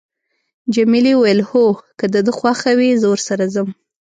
جميلې وويل: هو، که د ده خوښه وي، زه ورسره ځم.